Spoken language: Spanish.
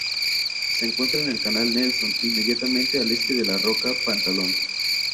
Se encuentra en el canal Nelson inmediatamente al este de la roca Pantalón.